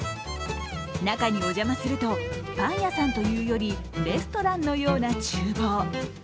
中にお邪魔すると、パン屋さんというよりレストランのようなちゅう房。